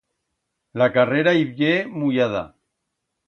La carrera ib'ye mullada.